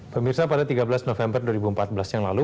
pemirsa pada tiga belas november dua ribu empat belas yang lalu